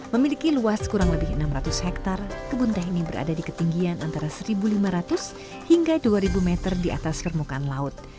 memiliki luas kurang lebih enam ratus hektare kebun teh ini berada di ketinggian antara satu lima ratus hingga dua ribu meter di atas permukaan laut